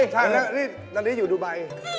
ตอนนี้ตอนนี้อยูดูใบ